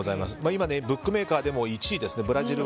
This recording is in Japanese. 今、ブラジルはブックメーカーでも１位ですね。